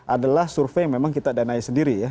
adalah survei yang memang kita danai sendiri ya